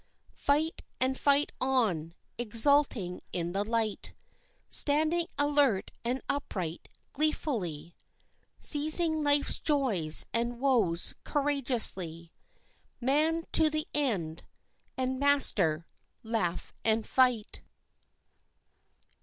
Fight and fight on, exulting in the light, Standing alert and upright gleefully, Seizing life's joys and woes courageously, Man to the end, and master laugh and fight.